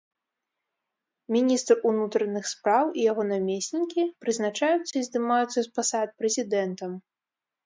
Міністр унутраных спраў і яго намеснікі прызначаюцца і здымаюцца з пасад прэзідэнтам.